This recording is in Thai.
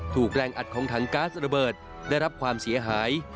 ถูกแรงอัดของถังก๊าซระเบิดได้รับความเสียหาย